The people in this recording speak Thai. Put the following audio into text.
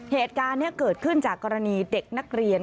เหตุการณ์นี้เกิดขึ้นจากกรณีเด็กนักเรียน